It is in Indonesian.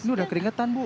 ini udah keringetan bu